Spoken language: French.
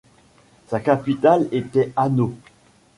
Sa capitale était Hanau.